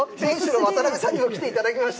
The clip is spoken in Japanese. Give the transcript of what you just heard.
わたなべさんにも来ていただきました。